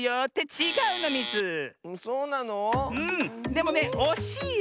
でもねおしいよ